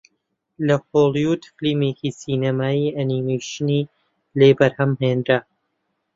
لە هۆڵیوود فیلمێکی سینەمایی ئەنیمەیشنی لێ بەرهەم هێنرا